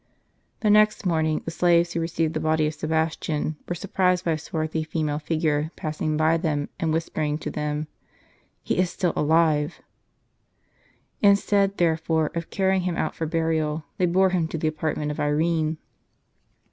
JSText morning, the slaves w^ho received the body of Sebas tian were surprised by a swarthy female figure passing by them, and whispering to them, " He is still alive." irb w Instead, therefore, of carrying him out for burial, they bore him to the apartment of Irene.